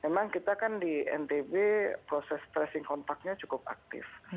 memang kita kan di ntb proses tracing kontaknya cukup aktif